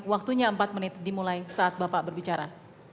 waktunya empat menit dimulai saat bapak berbicara